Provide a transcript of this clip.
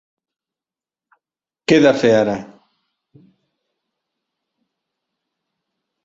Què he de fer ara?